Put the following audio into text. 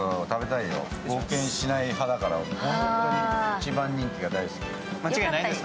一番人気が大好き。